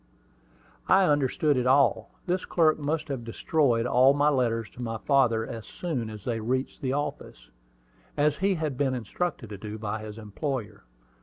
I understood it all. This clerk must have destroyed all my letters to my father as soon as they reached the office, as he had been instructed to do by his employer.